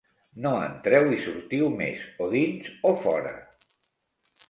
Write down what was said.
No entreu i sortiu més: o dins o fora.